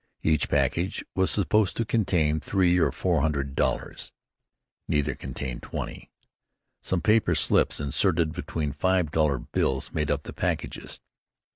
Each package was supposed to contain three or four hundred dollars. Neither contained twenty. Some paper slips inserted between five dollar bills made up the packages.